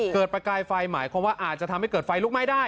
ประกายไฟหมายความว่าอาจจะทำให้เกิดไฟลุกไหม้ได้